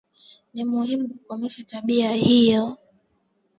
Ni muhimu kukomesha tabia hiyo.